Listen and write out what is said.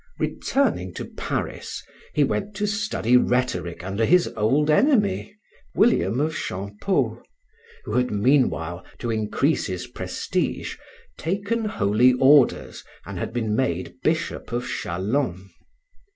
Returning to Paris, he went to study rhetoric under his old enemy, William of Champeaux, who had meanwhile, to increase his prestige, taken holy orders, and had been made bishop of Châlons.